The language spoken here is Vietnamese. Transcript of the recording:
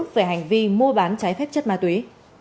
về hành vi mua bán trái phép chất ma túy